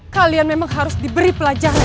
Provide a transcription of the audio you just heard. kalian memang harus diberi pelajaran